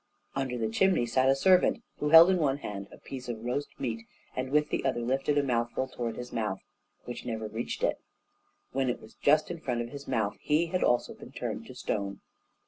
Under the chimney sat a servant, who held in one hand a piece of roast meat, and with the other lifted a mouthful toward his mouth, which never reached it; when it was just in front of his mouth, he had also been turned to stone.